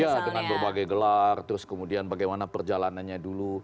iya dengan berbagai gelar terus kemudian bagaimana perjalanannya dulu